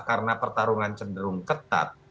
karena pertarungan cenderung ketat